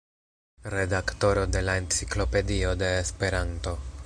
Redaktoro de la Enciklopedio de Esperanto.